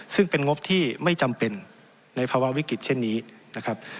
ซึ่งเป็นงบที่ไม่จำเป็นในภาวะวิกฤตเช่นนี้นะครับ